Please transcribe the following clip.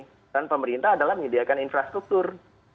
peran pemerintah adalah menyediakan infrastruktur